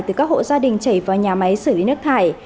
từ các hộ gia đình chảy vào nhà máy xử lý nước thải